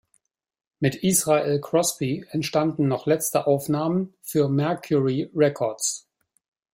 Mit Israel Crosby entstanden noch letzte Aufnahmen für Mercury Records.